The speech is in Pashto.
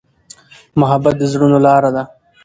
محبت د زړونو لاره ده.